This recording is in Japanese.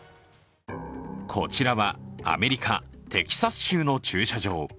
こちらはアメリカ・テキサス州の駐車場。